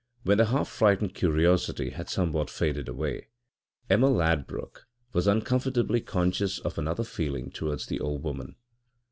< 2 > When the half frightened curiosity had somewhat faded away, Emma Ladbruk was uncomfortably conscious of another feeling towards the old woman.